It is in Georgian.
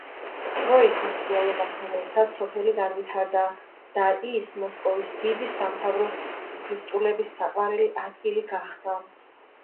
დროის მსვლელობასთან ერთად, სოფელი განვითარდა და ის მოსკოვის დიდი სამთავროს უფლისწულების საყვარელი ადგილი გახდა.